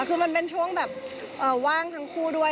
คือมันเป็นช่วงแบบว่างทั้งคู่ด้วย